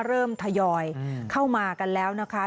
ทยอยเข้ามากันแล้วนะคะ